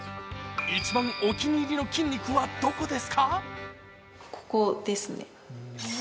一番お気に入りの筋肉はどこですか？